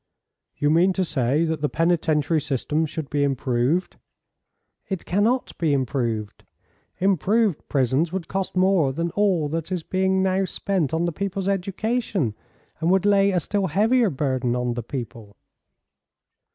"You mean to say that the penitentiary system should be improved." "It cannot be improved. Improved prisons would cost more than all that is being now spent on the people's education, and would lay a still heavier burden on the people."